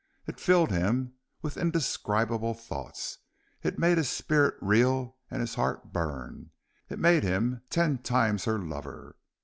It filled him with indescribable thoughts; it made his spirit reel and his heart burn; it made him ten times her lover.